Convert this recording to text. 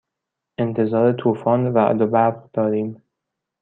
انتظار طوفان رعد و برق داریم.